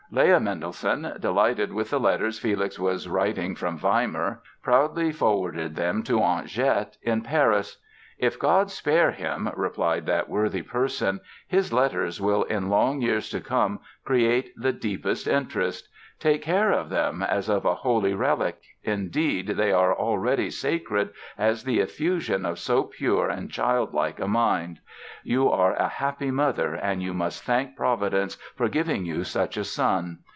Leah Mendelssohn, delighted with the letters Felix was writing from Weimar, proudly forwarded them to Aunt Jette, in Paris. "If God spare him", replied that worthy person, "his letters will in long years to come create the deepest interest. Take care of them as of a holy relic; indeed, they are already sacred as the effusion of so pure and child like a mind. You are a happy mother and you must thank Providence for giving you such a son.